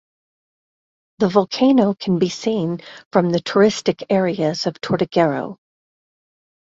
The volcano can be seen from the touristic areas of Tortuguero.